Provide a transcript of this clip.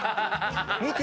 見て！